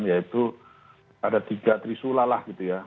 yaitu ada tiga trisula lah gitu ya